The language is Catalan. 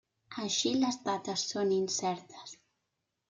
Així les dates són incertes.